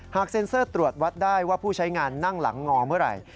เซ็นเซอร์ตรวจวัดได้ว่าผู้ใช้งานนั่งหลังงอเมื่อไหร่